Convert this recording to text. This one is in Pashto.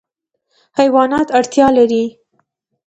حیوانات اړتیا لري.